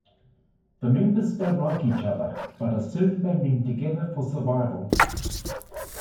The members don't like each other, but are soon banding together for survival.